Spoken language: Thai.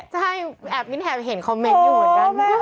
ใช่แอบมิ้นแอบเห็นคอมเมนต์อยู่เหมือนกัน